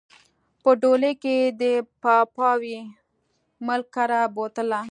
په ډولۍ کښې د پاپاوي ملک کره بوتله